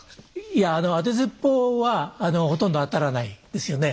いやあの当てずっぽうはほとんど当たらないですよね。